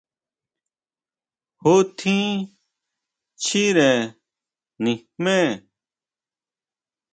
¿Jú tjín chire nijmé?